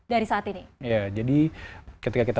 dari saat ini jadi ketika kita